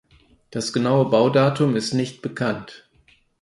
Das genaue Baudatum ist nicht bekannt.